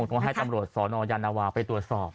ต้องให้ตำรวจสนยานวาไปตรวจสอบ